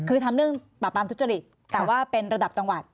คือทำเรื่องปราบปรามทุจริตแต่ว่าเป็นระดับจังหวัด